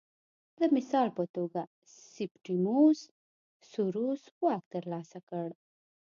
د مثال په توګه سیپټیموس سوروس واک ترلاسه کړ